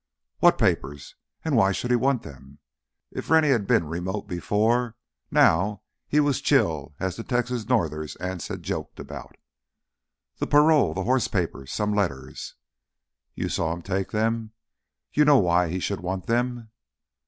"What papers, and why should he want them?" If Rennie had been remote before, now he was as chill as the Texas northers Anse had joked about. "The parole, the horse papers, some letters...." "You saw him take them? You know why he should want them?"